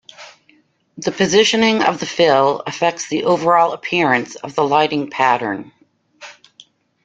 The positioning of the fill affects the overall appearance of the lighting pattern.